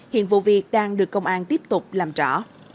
hiện vụ việc đang được công an tiếp tục làm rõ